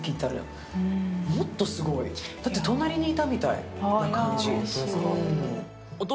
隣にいたみたいな感じ。